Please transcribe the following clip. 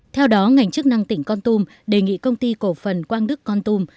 theo đó ngành chức năng tỉnh con tum đề nghị công ty cổ phần quang đức con tum